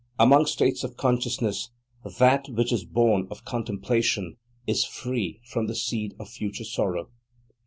Among states of consciousness, that which is born of Contemplation is free from the seed of future sorrow.